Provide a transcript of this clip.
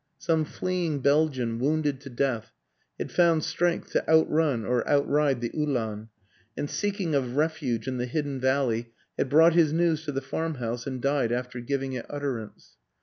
Some fleeing Belgian, wounded to death, had found strength to outrun or outride the Uhlan, and seeking a refuge in the hidden valley had brought his news to the farmhouse, and died after giving it utter ance.